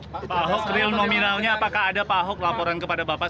pak ahok real nominalnya apakah ada pak ahok laporan kepada bapak